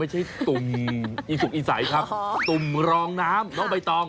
อันนี้ตุ่มอิสุกอิสัยครับตุ่มรองน้ำน้องใบตอง